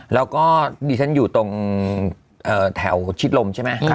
แล้วก็ดิฉันอยู่ตรงแถวชิดลมใช่ไหม